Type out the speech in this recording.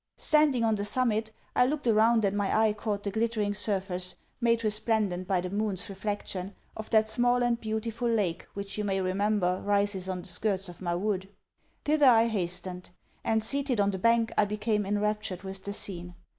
Standing on the summit, I looked around and my eye caught the glittering surface (made resplendent by the moon's reflection) of that small and beautiful lake which you may remember rises on the skirts of my wood. Thither I hastened; and, seated on the bank, I became enraptured with the scene.